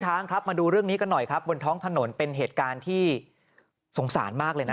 ช้างครับมาดูเรื่องนี้กันหน่อยครับบนท้องถนนเป็นเหตุการณ์ที่สงสารมากเลยนะ